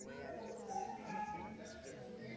Fue miembro fundador de la Real Academia de Ciencias.